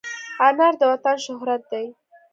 انار د وطن شهرت دی.